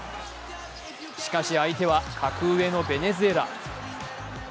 しかし相手は格上のベネズエラ。